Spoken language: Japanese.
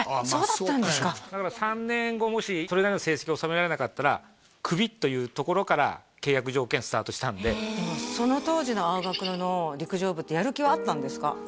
そうだったんですかだから３年後もしそれなりの成績収められなかったらクビというところから契約条件はスタートしたんでその当時の青学の陸上部ってやる気はあったんですか？